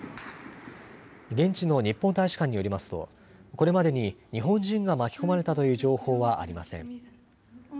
現地の日本大使館によりますとこれまでに日本人が巻き込まれたという情報はありません。